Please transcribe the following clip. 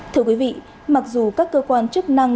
thưa quý vị mặc dù các cơ quan chức năng